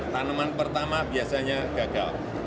tanaman pertama biasanya gagal